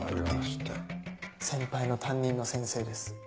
先輩の担任の先生です。